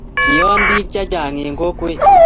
kioon biik che chang' eng' kokwet